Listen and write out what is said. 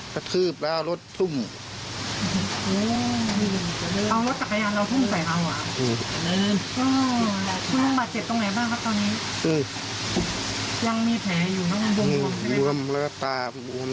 เพราะเห็นหรือไม่ใช่รายเดียวที่โดน